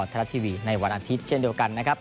ไทยรัฐทีวีในวันอาทิตย์เช่นเดียวกันนะครับ